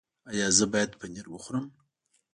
ایا زه باید پنیر وخورم؟